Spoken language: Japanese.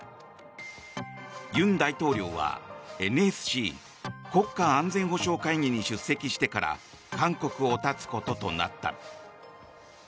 尹大統領はＮＳＣ・国家安全保障会議に出席してから韓国を発つこととなった。